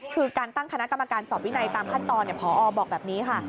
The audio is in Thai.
คือการตั้งคณะกรรมการสอบวินัยตามขั้นตอนพอบอกแบบนี้ค่ะ